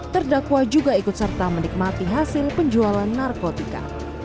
terdakwa juga ikut serta menikmati hasil penjualan narkotika